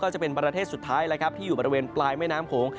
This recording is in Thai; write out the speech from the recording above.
ก็จะเป็นประเทศสุดท้ายที่อยู่บริเวณปลายแม่น้ำโขง